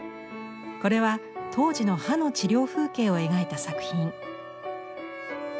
これは当時の歯の治療風景を描いた作品。